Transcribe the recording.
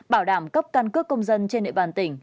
bảo đảm cấp căn cước công dân trên địa bàn tỉnh